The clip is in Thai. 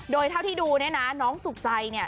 โดยเท่าที่ดูเนี่ยนะน้องสุขใจเนี่ย